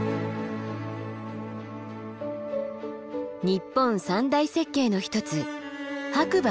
日本三大雪渓の一つ白馬